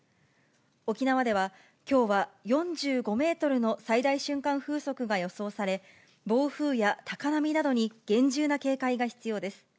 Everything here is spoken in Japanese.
沖縄では、きょうは４５メートルの最大瞬間風速が予想され、暴風や高波などに厳重な警戒が必要です。